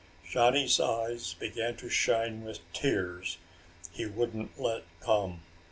Johnny's eyes began to shine with tears he wouldn't let come.